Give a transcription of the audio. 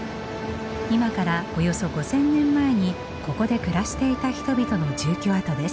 今からおよそ５，０００年前にここで暮らしていた人々の住居跡です。